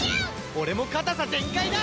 俺も硬さ全開だ！